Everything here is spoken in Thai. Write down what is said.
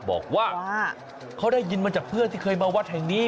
บอกว่าเขาได้ยินมาจากเพื่อนที่เคยมาวัดแห่งนี้